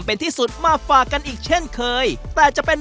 พ่อเขารักเขาแบบ